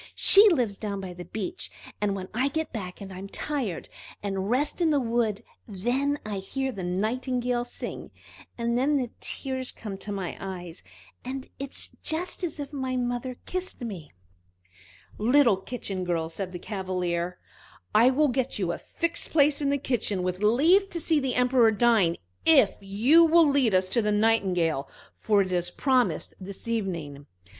She lives down by the beach, and when I get back and am tired, and rest in the wood, then I hear the Nightingale sing. And then the tears come into my eyes, and it is just as if my mother kissed me!" "Little Kitchen girl," said the Cavalier, "I will get you a fixed place in the kitchen, with leave to see the Emperor dine, if you will lead us to the Nightingale, for it is promised for this evening."